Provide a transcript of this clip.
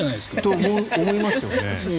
と、思いますよね。